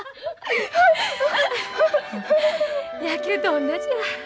野球と同じや。